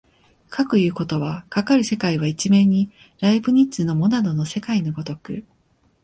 かくいうことは、かかる世界は一面にライプニッツのモナドの世界の如く